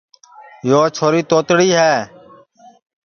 یو چھوری توتلی ہے